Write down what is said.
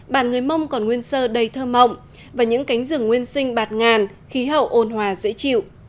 bản người mông còn nguyên sơ đầy thơ mộng và những cánh rừng nguyên sinh bạt ngàn khí hậu ôn hòa dễ chịu